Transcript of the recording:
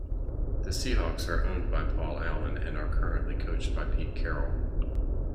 The Seahawks are owned by Paul Allen and are currently coached by Pete Carroll.